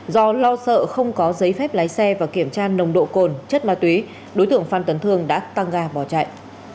do lo sợ không có giấy phép lái xe và kiểm tra nồng độ cồn chất ma túy đối tượng phan tấn thương đã tăng ga bỏ chạy